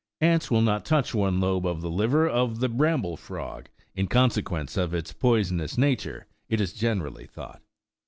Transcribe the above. Ants will not touch one lobe of the liver of the bramble frog, in consequence of its poisonous nature, it is generally thought.